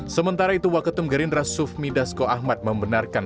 sementara itu waketum gerindra suf midasko ahmad membenarkan